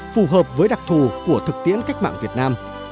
phù hợp với đặc thù của thực tiễn cách mạng việt nam